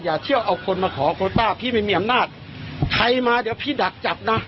เชื่อเอาคนมาขอโคต้าพี่ไม่มีอำนาจใครมาเดี๋ยวพี่ดักจับนะ